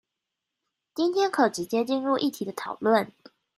今天可直接進入議題的討論